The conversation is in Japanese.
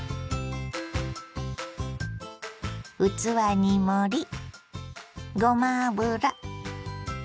器に盛りごま油。